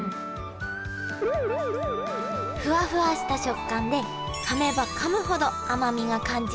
フワフワした食感でかめばかむほど甘みが感じられる。